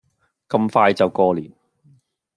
咁快就過年